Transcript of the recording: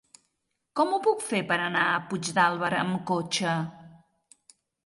Com ho puc fer per anar a Puigdàlber amb cotxe?